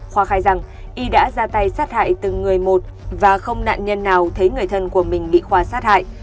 khoa khai rằng y đã ra tay sát hại từng người một và không nạn nhân nào thấy người thân của mình bị khoa sát hại